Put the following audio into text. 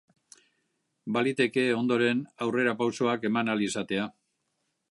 Baliteke ondoren aurrerapausoak eman ahal izatea.